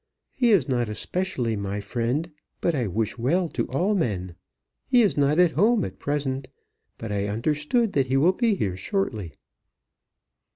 He is not specially my friend, but I wish well to all men. He is not at home at present, but I understood that he will be here shortly."